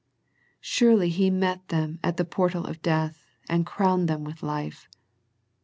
Surely He met them at the portal of death, and crowned them with life.